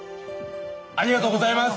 ありがとうございます！